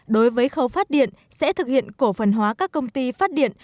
đối với khâu phát điện sẽ thực hiện cổ phần hóa các công ty phát điện